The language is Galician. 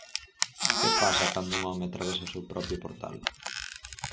Que pasa cando un home atravesa o seu propio portal?